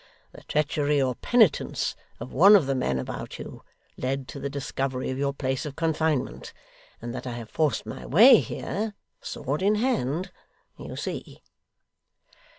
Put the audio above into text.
The treachery or penitence of one of the men about you, led to the discovery of your place of confinement; and that I have forced my way here, sword in hand, you see.